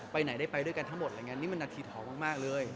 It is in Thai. ไปไหนได้ไปด้วยกันทั้งหมดนี่มันนาธิธรรมมากเลย